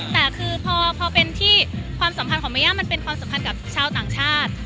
แต่คือพอเป็นที่ความสัมพันธ์ของเมย่ามันเป็นความสัมพันธ์กับชาวต่างชาติ